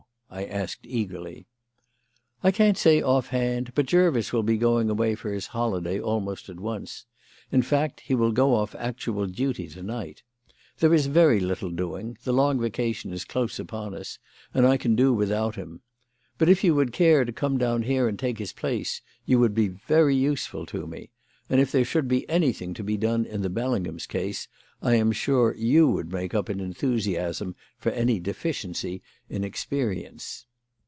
I asked eagerly. "I can't say off hand; but Jervis will be going away for his holiday almost at once in fact, he will go off actual duty to night. There is very little doing; the long vacation is close upon us, and I can do without him. But if you would care to come down here and take his place, you would be very useful to me; and if there should be anything to be done in the Bellinghams' case, I am sure you would make up in enthusiasm for any deficiency in experience."